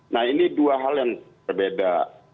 nah ini dua hal yang berbeda